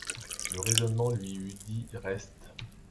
Le raisonnement lui eût dit: reste!